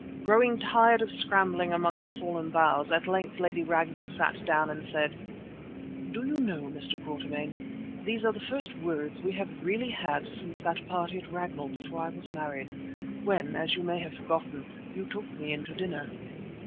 Growing tired of scrambling among the fallen boughs, at length Lady Ragnall sat down and said: "Do you know, Mr. Quatermain, these are the first words we have really had since that party at Ragnall before I was married, when, as you may have forgotten, you took me in to dinner."